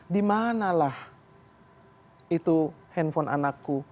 dimanalah itu handphone anakku